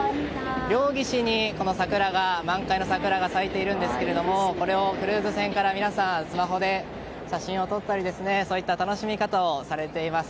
両岸に満開の桜が咲いているんですがこれをクルーズ船から皆さん、スマホで写真を撮ったりそういった楽しみ方をされています。